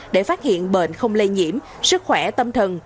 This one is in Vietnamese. để phát hiện bệnh không lây nhiễm sức khỏe tâm thần